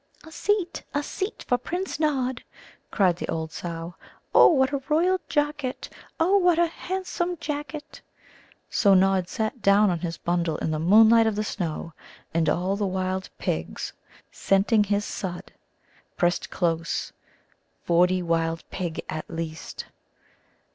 "A seat a seat for Prince Nod," cried the old sow. "Oh, what a royal jacket oh, what a handsome jacket!" So Nod sat down on his bundle in the moonlight of the snow, and all the wild pig, scenting his Sudd, pressed close forty wild pig at least.